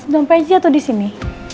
dompet jatuh disini